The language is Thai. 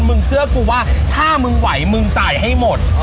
มึงเชื่อกูว่าถ้ามึงไหวมึงจ่ายให้หมด